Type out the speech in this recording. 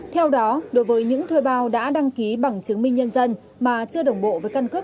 theo đó đối với những thuê bao đã đăng ký bằng chứng minh nhân dân mà chưa đồng bộ với căn cước